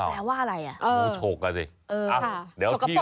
แปลว่าอะไรอ่ะเออชกกะละสิ